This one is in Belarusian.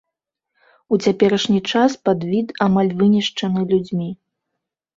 У цяперашні час падвід амаль вынішчаны людзьмі.